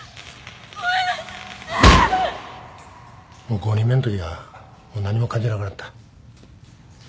もう５人目のときはもう何も感じなくなった。